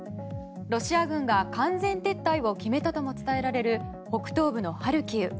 ロシア軍が完全撤退を決めたとも伝えられる北東部のハルキウ。